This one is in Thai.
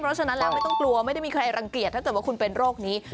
เพราะฉะนั้นแล้วไม่ต้องกลัวไม่ได้มีใครรังเกียจถ้าเกิดว่าคุณเป็นโรคนี้